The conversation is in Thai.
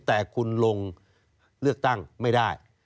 แต่คุณลงเลือกตั้งไม่ได้